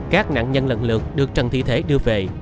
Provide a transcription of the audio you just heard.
các nạn nhân lần lượt được trần thị thế đưa về